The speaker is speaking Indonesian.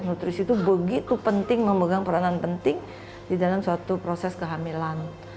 nutrisi itu begitu penting memegang peranan penting di dalam suatu proses kehamilan